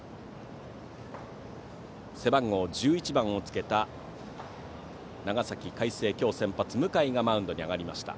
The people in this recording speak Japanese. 背番号１１番をつけた長崎・海星今日先発の向井がマウンドに上がりました。